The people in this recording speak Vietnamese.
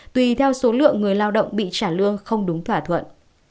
tùy theo số lượng người lao động bị trả lương không đúng thỏa thuận